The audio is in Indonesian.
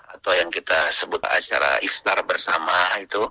atau yang kita sebut acara iftar bersama itu